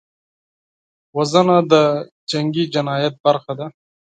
وژنه د جنګي جنایت برخه ده